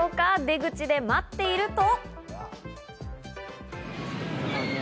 出口で待っていると。